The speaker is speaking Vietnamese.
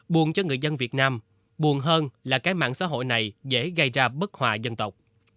buồn cho người dân việt nam buồn hơn là cái mạng xã hội này dễ gây ra bức hòa dân tộc